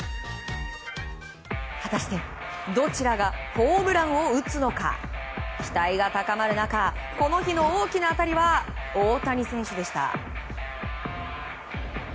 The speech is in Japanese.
果たしてどちらがホームランを打つのか期待が高まる中この日の大きな当たりは大谷選手でした。